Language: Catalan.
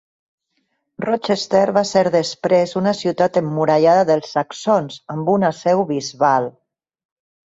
Rochester va ser després una ciutat emmurallada dels saxons, amb una seu bisbal.